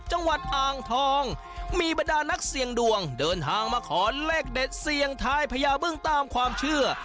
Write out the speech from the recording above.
จังหวัดอ่างทองมีบรรดานักเสี่ยงดวงเดินทางมาขอเลขเด็ดเสี่ยงทายพญาบึ้งตามความเชื่อ